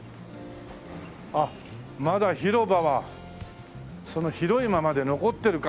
あっまだ広場はその広いままで残ってるか。